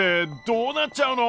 どうなっちゃうの！？